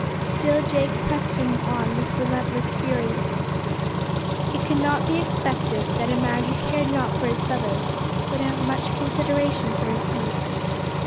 Still Jake pressed him on with relentless fury. It could not be expected that a man who cared not for his fellows would have much consideration for his beast.